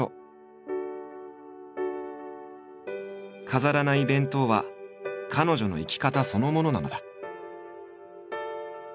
飾らない弁当は彼女の生き方そのものなのだ。